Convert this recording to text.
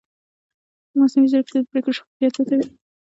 مصنوعي ځیرکتیا د پرېکړو شفافیت زیاتوي.